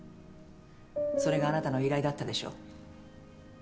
それがあなたの依頼だったでしょ。